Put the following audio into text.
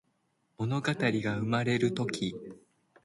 ものがたりがうまれるとき